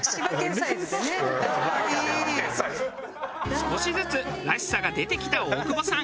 少しずつ「らしさ」が出てきた大久保さん。